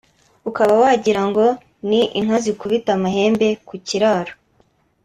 ukaba wagira ngo ni inka zikubita amahembe ku kiraro